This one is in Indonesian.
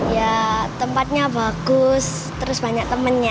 ya tempatnya bagus terus banyak temannya